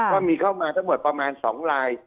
ว่ามีเข้ามาทั้งหมดประมาณ๒ลาย